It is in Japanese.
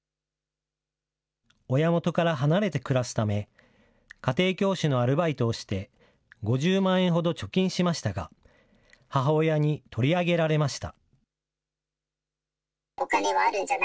親元から離れて暮らすため、家庭教師のアルバイトをして、５０万円ほど貯金しましたが、母親に取り上げられました。